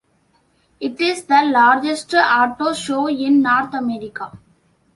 It is the largest auto show in North America.